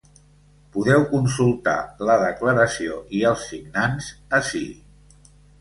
Podeu consultar la declaració i els signants ací.